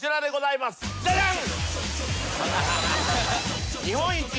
ジャジャン。